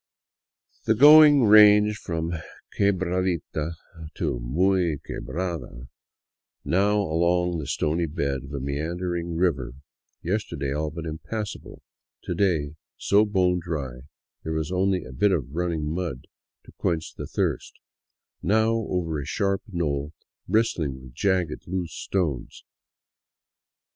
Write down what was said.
The going ranged from quebradita to muy quehrada, now along the stony bed of a meandering " river," yesterday all but impassable, to day so bone dry there was only a bit of running mud to quench the thirst; now over a sharp knoll bristling with jagged, loose stones.